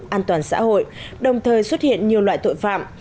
an toàn xã hội đồng thời xuất hiện nhiều loại tội phạm